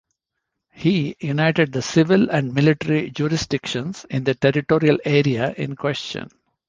He united the civil and military jurisdictions in the territorial area in question.